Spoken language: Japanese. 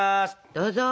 どうぞ。